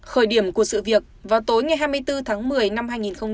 khởi điểm của sự việc vào tối ngày hai mươi bốn tháng một mươi năm hai nghìn một mươi chín